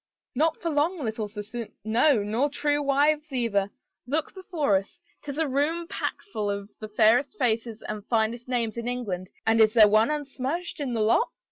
" Not for long, little sister, no, nor true wives either. ... Look before us. *Tis a room packful of the fairest faces and finest names in England and is there one unsmirched in the lot?